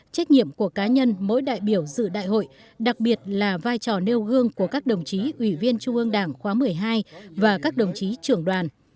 trách nhiệm của cá nhân mỗi đại biểu dự đại hội đặc biệt là vai trò nêu gương của các đồng chí ủy viên trung ương đảng khóa một mươi hai và các đồng chí trưởng đoàn